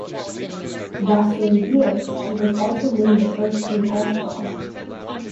That same year, he was also named a First Team All-Star.